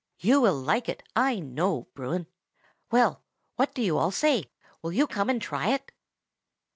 You will like it, I know, Bruin. "Well, what do you all say? Will you come and try it?"